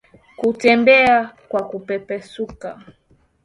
Kutembea kwa kupepesuka